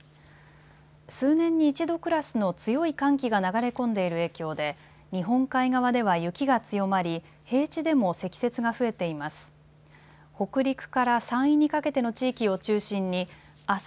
数年に一度クラスの強い寒気が流れ込んでいる影響で日本海側では雪が強まり平地でも積雪が増えています。